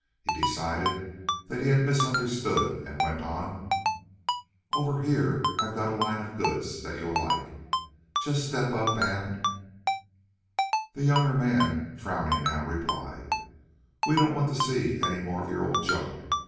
He decided that he had misunderstood, and went on: "Over here I got a line of goods that you'll like. Just step up and " The younger man, frowning now, replied: "We don't want to see any more of your junk.